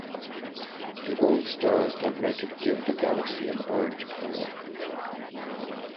The old stars that make it give the galaxy an orange color.